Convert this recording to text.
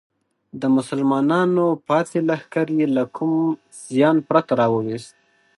د مسلمانانو پاتې لښکر یې له کوم زیان پرته راوویست.